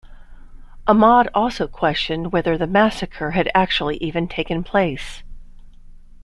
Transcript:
Ahmad also questioned whether the massacre had actually even taken place.